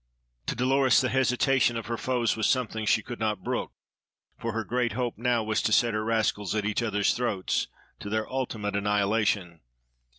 To Dolores, the hesitation of her foes was something she could not brook, for her great hope now was to set her rascals at each other's throats to their ultimate annihilation.